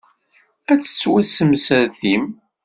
Ad tettwassemsertim.